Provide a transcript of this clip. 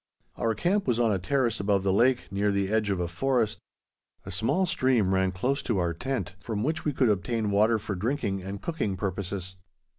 Our camp was on a terrace above the lake, near the edge of a forest. A small stream ran close to our tent, from which we could obtain water for drinking and cooking purposes.